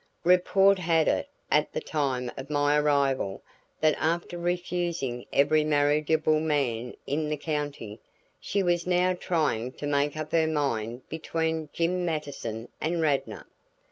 Report had it, at the time of my arrival, that after refusing every marriageable man in the county, she was now trying to make up her mind between Jim Mattison and Radnor.